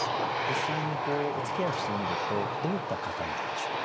実際におつきあいをしてみるとどういった方なんでしょう？